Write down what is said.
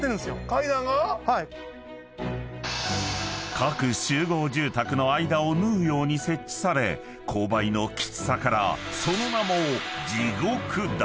［各集合住宅の間を縫うように設置され勾配のきつさからその名も］